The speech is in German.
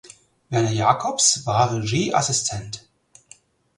Werner Jacobs war Regieassistent.